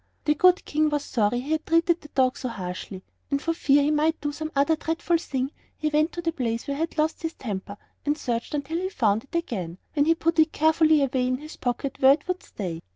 The good King was sorry he had treated the dog so harshly, and for fear he might do some other dreadful thing he went back to the place where he had lost his temper and searched until he found it again, when he put it carefully away in his pocket where it would stay.